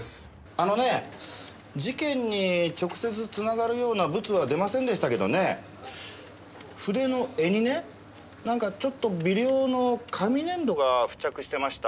あのね事件に直接繋がるようなブツは出ませんでしたけどね筆の柄にねなんかちょっと微量の紙粘土が付着してました。